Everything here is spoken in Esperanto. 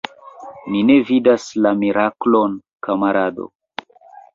Mi ne vidas la miraklon, kamarado.